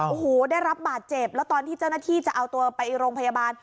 โอ้โหได้รับบาดเจ็บแล้วตอนที่เจ้าหน้าที่จะเอาตัวไปโรงพยาบาล